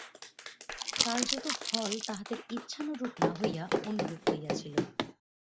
কার্যত ফল তাহাদের ইচ্ছানুরূপ না হইয়া অন্যরূপ হইয়াছিল।